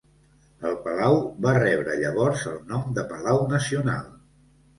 El palau va rebre llavors el nom de Palau Nacional.